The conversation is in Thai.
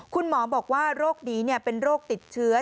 คุณหมอบอกว่าโรคนี้เป็นโรคติดเชื้อ